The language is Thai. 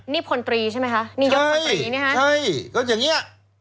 นี่ผลตรีใช่ไหมคะนี่ยกผลตรีเนี่ยฮะใช่ใช่ก็อย่างงี้